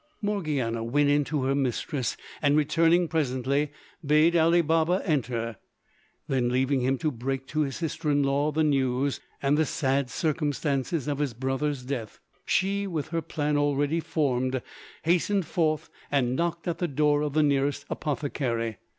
Morgiana went in to her mistress, and returning presently bade Ali Baba enter. Then, leaving him to break to his sister in law the news and the sad circumstances of his brother's death, she, with her plan already formed, hastened forth and knocked at the door of the nearest apothecary.